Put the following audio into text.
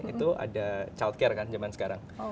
itu ada childcare kan zaman sekarang